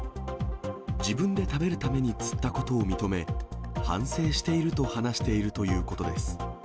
自分で食べるために釣ったことを認め、反省していると話しているということです。